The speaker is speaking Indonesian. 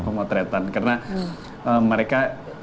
pemotretan karena mereka